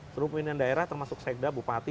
seluruh pimpinan daerah termasuk sekda bupati